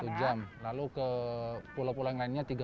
satu jam lalu ke pulau pulau yang lainnya tiga puluh menit lagi ya